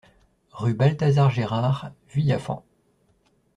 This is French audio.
Rue Balthazar Gérard, Vuillafans